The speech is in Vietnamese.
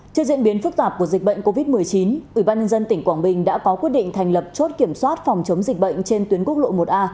trước diễn biến phức tạp của dịch bệnh covid một mươi chín ủy ban nhân dân tỉnh quảng bình đã có quyết định thành lập chốt kiểm soát phòng chống dịch bệnh trên tuyến quốc lộ một a